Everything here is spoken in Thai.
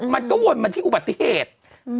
มันก็วนมาที่อุบัติเหตุ